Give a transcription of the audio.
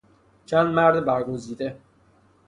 چند مرد برگزیده